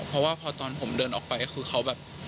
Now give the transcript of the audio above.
เพราะว่าพอตอนผมเดินออกไปก็คือเขาแบบ